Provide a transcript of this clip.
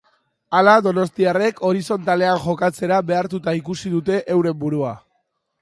Hala, donostiarrek horizontalean jokatzera behartuta ikusi dute euren burua.